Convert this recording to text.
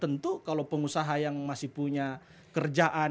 tentu kalau pengusaha yang masih punya kerjaan